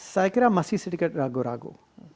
saya kira masih sedikit ragu ragu